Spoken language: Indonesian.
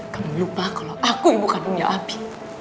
kamu lupa kalo aku yang bukan dunia api